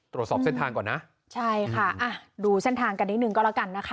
ตรวจสอบเส้นทางก่อนนะใช่ค่ะอ่ะดูเส้นทางกันนิดนึงก็แล้วกันนะคะ